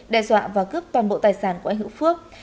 đe dọa và cướp toàn bộ tài sản của anh hữu phước